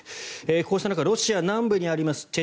こうした中ロシア南部にあります